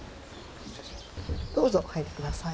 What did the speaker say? どうぞお入り下さい。